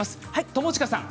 友近さん